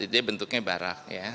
ini bentuknya barak